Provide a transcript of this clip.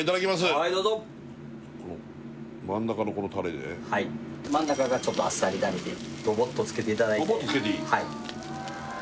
はいどうぞ真ん中のこのタレではい真ん中がちょっとあっさりダレでドボッとつけていただいてドボッとつけていい？